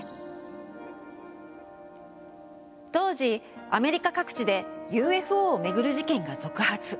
当時アメリカ各地でＵＦＯをめぐる事件が続発。